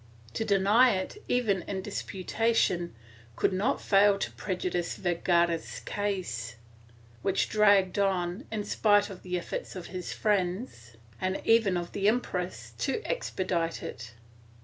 To deny it, even in disputation, could not fail to prejudice Ver gara's case, which dragged on, in spite of the efforts of his friends, and even of the empress, to expedite it.